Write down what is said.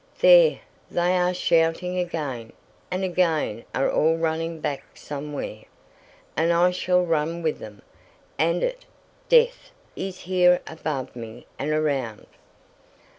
There—they are shouting again, and again are all running back somewhere, and I shall run with them, and it, death, is here above me and around...